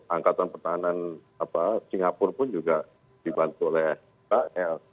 angkatan pertahanan singapura pun juga dibantu oleh israel